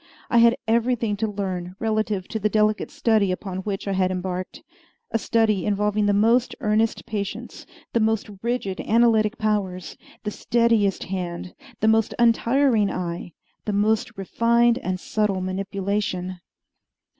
I had everything to learn relative to the delicate study upon which I had embarked a study involving the most earnest patience, the most rigid analytic powers, the steadiest hand, the most untiring eye, the most refined and subtle manipulation.